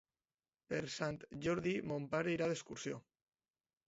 Per Sant Jordi mon pare irà d'excursió.